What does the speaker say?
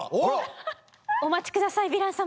お待ち下さいヴィラン様。